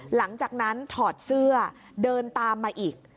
หลังจากนั้นถอดเสื้อเดินตามมาอีก